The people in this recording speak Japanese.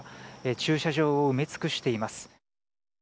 駐車場を埋め尽くしています。